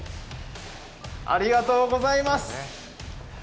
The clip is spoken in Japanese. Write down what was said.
ありがとうございます。